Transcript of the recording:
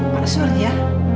mana suruh dia